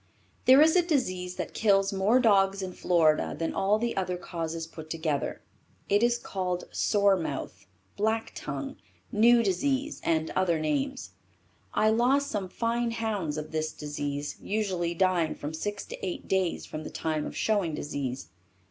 There is a disease that kills more dogs in Florida than all the other causes put together. It is called sore mouth, black tongue, new disease and other names. I lost some fine hounds of this disease, usually dying from six to eight days from the time of showing disease.